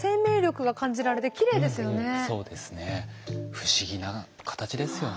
不思議な形ですよね。